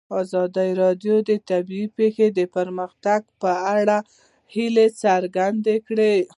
ازادي راډیو د طبیعي پېښې د پرمختګ په اړه هیله څرګنده کړې.